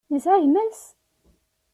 Yesεa gma-s?